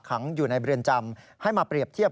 ขังอยู่ในเรือนจำให้มาเปรียบเทียบ